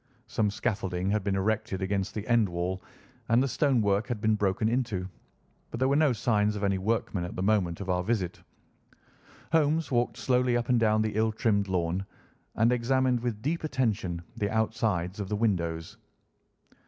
Some scaffolding had been erected against the end wall, and the stone work had been broken into, but there were no signs of any workmen at the moment of our visit. Holmes walked slowly up and down the ill trimmed lawn and examined with deep attention the outsides of the windows.